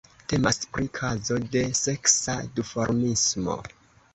Temas pri kazo de seksa duformismo.